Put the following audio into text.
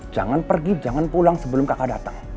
jangan pergi jangan pulang sebelum kakak datang